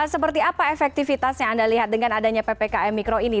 seperti apa efektivitasnya anda lihat dengan adanya ppkm mikro ini